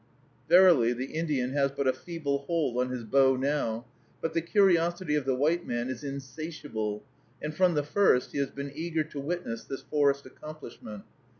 Verily, the Indian has but a feeble hold on his bow now; but the curiosity of the white man is insatiable, and from the first he has been eager to witness this forest accomplishment.